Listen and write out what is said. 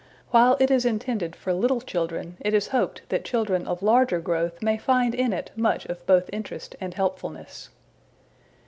While it is intended for little children, it is hoped that children of larger growth may find in it much of both interest and helpfulness.